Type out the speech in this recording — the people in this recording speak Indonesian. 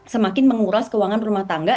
semakin menguras keuangan rumah tangga